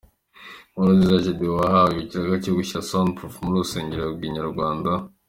Nkurunziza Gedeon wahawe ikiraka cyo gushyira 'Sound proof' muri uru rusengero, yabwiye Inyarwanda.